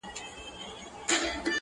چي د شپې به مړی ښخ سو په کفن کي؛